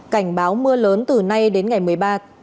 cảnh báo mưa lớn từ nay đến ngày hôm nay